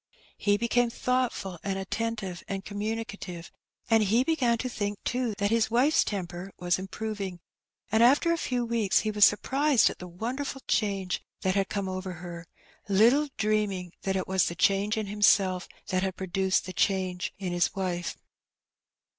He became thoughtful and attentive and communicative, and he began to think, too, that his wife's temper was improving; and after a few weeks he was surprised at the wonderful change that had come over her, little dreaming that it was the change in himself that had produced the change in his wife.